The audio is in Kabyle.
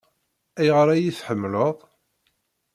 Ayɣer ay iyi-tḥemmleḍ?